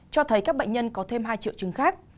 cho thấy các bệnh nhân có thêm hai triệu chứng khác